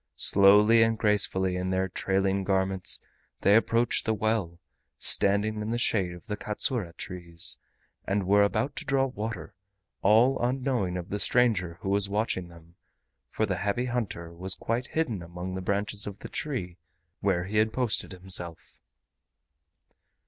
Slowly and gracefully in their trailing garments they approached the well, standing in the shade of the katsura trees, and were about to draw water, all unknowing of the stranger who was watching them, for the Happy Hunter was quite hidden among the branches of the tree where he had posted himself.